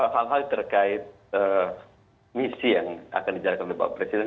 hal hal terkait misi yang akan dijalankan oleh bapak presiden